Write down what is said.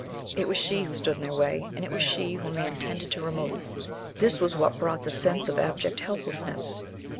It was she who stood in their way, and it was she whom they intended to remove. This was what brought the sense of abject helplessness.